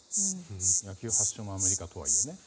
野球発祥のアメリカとはいえね。